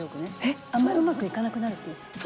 あんまりうまくいかなくなるっていうじゃない。